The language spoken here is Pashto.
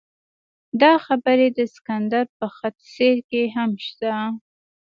دا خبرې د سکندر په خط سیر کې هم شته.